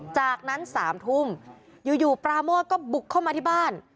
จากนั้น๓ทุ่มอยู่ปราโมทก็บุกเข้ามาที่บ้าน